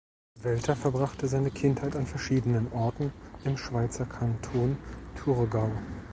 Welter verbrachte seine Kindheit an verschiedenen Orten im Schweizer Kanton Thurgau.